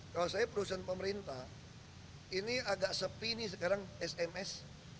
kalau saya perusahaan pemerintah ini agak sepi nih sekarang sms